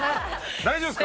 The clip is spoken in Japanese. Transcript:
大丈夫ですか？